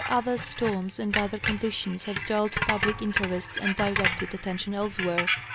other storms and other conditions have dulled public interest and directed attention elsewhere.